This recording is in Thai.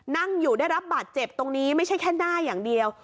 นั่งอยู่ได้รับบาดเจ็บตรงนี้ไม่ใช่แค่หน้าอย่างเดียว